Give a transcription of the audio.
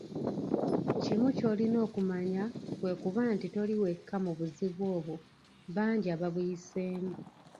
Kimu ky'olina okumanya kwe kuba nti toli wekka mu buzibu obwo bangi ababuyiseemu